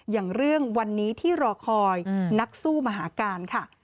อย่างเรื่องวันนี้ที่รอคอยนักสู้มหาการค่ะ